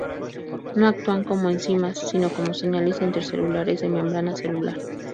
No actúan como enzimas, sino como señales intercelulares de membrana celular.